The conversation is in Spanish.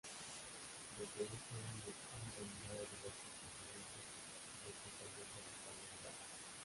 Desde ese año ha organizado diversos campeonatos en el que condujo Ricardo Morán.